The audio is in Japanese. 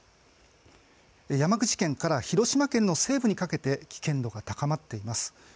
山口県から広島県の西部にかけて危険度が高まっています。